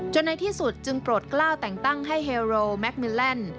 ในที่สุดจึงโปรดกล้าวแต่งตั้งให้เฮโรแมคมินแลนด์